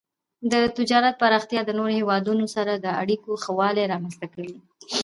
د تجارت پراختیا د نورو هیوادونو سره د اړیکو ښه والی رامنځته کوي.